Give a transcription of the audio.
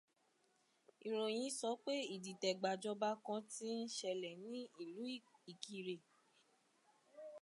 Ìròyìn sọ pé ìdìtẹ̀gbàjọba kan ti ń ṣẹlẹ̀ ní ìlú Ìkirè